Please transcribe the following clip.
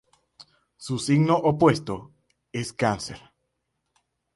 Su signo opuesto es Cáncer.